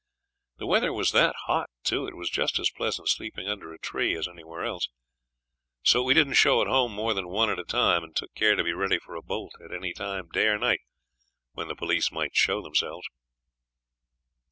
The weather was that hot, too, it was just as pleasant sleeping under a tree as anywhere else. So we didn't show at home more than one at a time, and took care to be ready for a bolt at any time, day or night, when the police might show themselves.